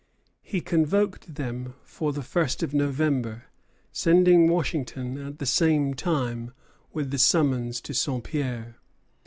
He convoked them for the first of November, sending Washington at the same time with the summons to Saint Pierre.